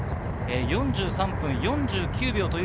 ４３分４９秒。